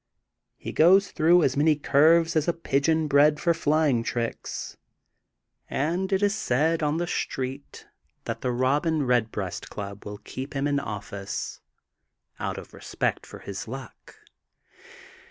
He goes through as many curves as a pigeon bred for flying tricks. And it is said on the street that the Robin Redbreast Club will keep him in office out of respect for his luck.